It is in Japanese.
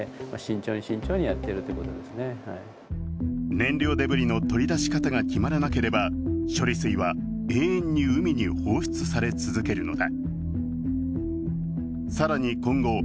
燃料デブリの取り出し方が決まらなければ処理水は永遠に海に放出され続けるのだ。